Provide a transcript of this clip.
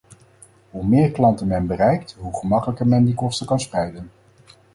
Hoe meer klanten men bereikt, hoe gemakkelijker men die kosten kan spreiden.